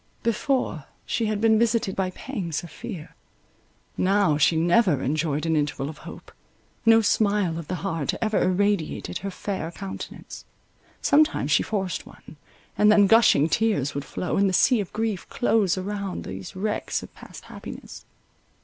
Before, she had been visited by pangs of fear—now, she never enjoyed an interval of hope. No smile of the heart ever irradiated her fair countenance; sometimes she forced one, and then gushing tears would flow, and the sea of grief close above these wrecks of past happiness.